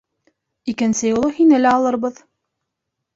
Икенсе юлы һине лә алырбыҙ.